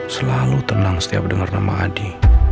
selalu tenang setiap dengar nama adi